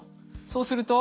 そうすると。